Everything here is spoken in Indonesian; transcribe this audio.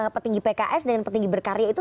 petinggi pks dengan petinggi berkarya itu